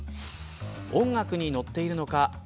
音楽にのっているのか。